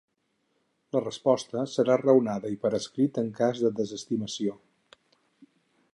La resposta serà raonada i per escrit en cas de desestimació.